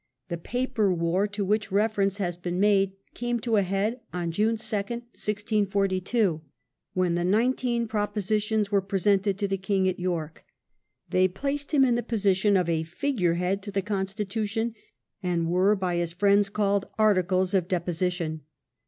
The paper war, to which reference has been made, came to a head on June 2, 1642, when the "Nineteen Proposi tions" were presented to the king at York. They placed him in the position of a figure head to the constitution, and were by his friends called " Articles of Deposition